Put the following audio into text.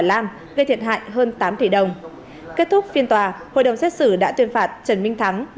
lam gây thiệt hại hơn tám tỷ đồng kết thúc phiên tòa hội đồng xét xử đã tuyên phạt trần minh thắng một mươi